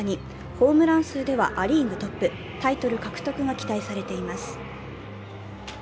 ホームラン数ではア・リーグトップ、タイトル獲得が期待されています。